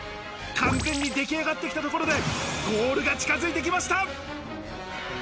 安全に出来上がってきたところで、ゴールが近づいてきました。